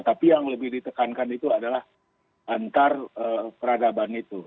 tapi yang lebih ditekankan itu adalah antar peradaban itu